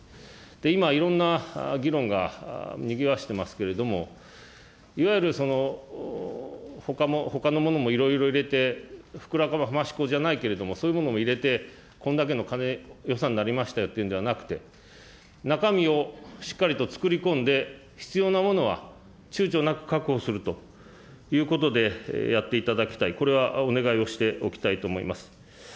今、いろんな議論がにぎわしてますけれども、いわゆるほかのものも色々入れて、膨らまし粉じゃないけれども、そういうものを入れて、これだけの金、予算になりましたよっていうのではなくて、中身をしっかりと作り込んで、必要なものはちゅうちょなく確保するということでやっていただきたい、これはお願いをしておきたいと思います。